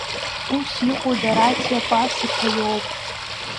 Ус иҟоу Дараҭиа Пас-иԥа иоуп.